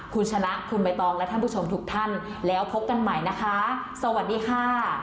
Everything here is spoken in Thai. คุณชนะคุณใบตองและท่านผู้ชมทุกท่านแล้วพบกันใหม่นะคะสวัสดีค่ะ